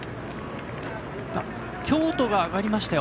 京都が上がりましたよ